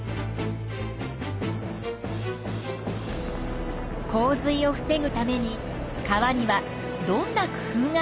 洪水を防ぐために川にはどんな工夫があるのかな？